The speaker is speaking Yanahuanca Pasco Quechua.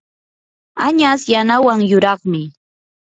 añas yanawan yuraqmi.